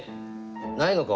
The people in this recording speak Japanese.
ないのか？